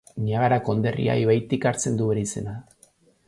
Niagara konderria ibaitik hartzen du bere izena.